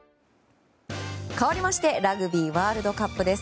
かわりましてラグビーワールドカップです。